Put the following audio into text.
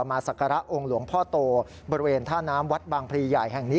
ศักระองค์หลวงพ่อโตบริเวณท่าน้ำวัดบางพลีใหญ่แห่งนี้